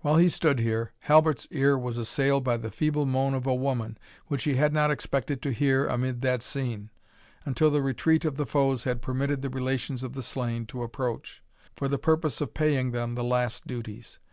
While he stood here, Halbert's ear was assailed by the feeble moan of a woman, which he had not expected to hear amid that scene, until the retreat of the foes had permitted the relations of the slain to approach, for the purpose of paying them the last duties.